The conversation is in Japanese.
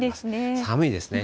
寒いですね。